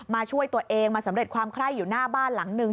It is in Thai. ช่วยตัวเองมาสำเร็จความไคร้อยู่หน้าบ้านหลังนึง